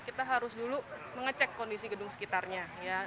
kita harus dulu mengecek kondisi gedung sekitarnya